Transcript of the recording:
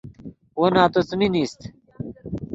وو نتو څیمین ایست